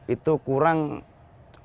itu kurang otomatis